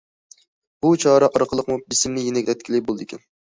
بۇ چارە ئارقىلىقمۇ بېسىمنى يېنىكلەتكىلى بولىدىكەن.